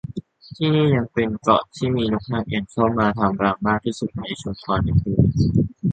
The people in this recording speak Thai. ที่นี่ยังเป็นเกาะที่มีนกนางแอ่นเข้ามาทำรังมากที่สุดในชุมพรอีกด้วย